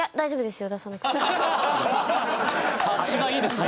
察しがいいですね。